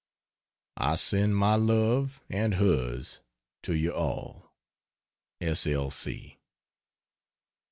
I send my love and hers to you all. S. L.